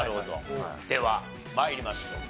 では参りましょう。